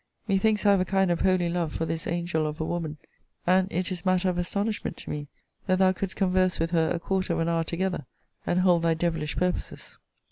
Methinks I have a kind of holy love for this angel of a woman; and it is matter of astonishment to me, that thou couldst converse with her a quarter of an hour together, and hold thy devilish purposes.